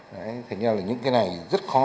hình như là những cái này rất khó